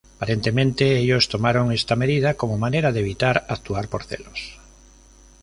Aparentemente, ellos tomaron esta medida como manera de evitar actuar por celos.